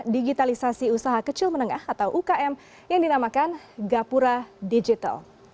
digitalisasi usaha kecil menengah atau ukm yang dinamakan gapura digital